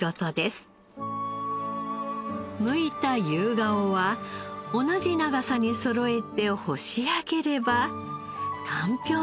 むいたユウガオは同じ長さにそろえて干し上げればかんぴょうになります。